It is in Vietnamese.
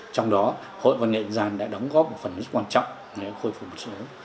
trong đó hội văn nghệ dân đã đóng góp một phần rất quan trọng để khôi phục số